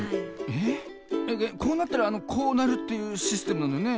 ええっこうなったらこうなるっていうシステムなのよね？